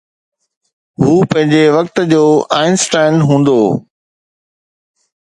هو پنهنجي وقت جو آئن اسٽائن هوندو.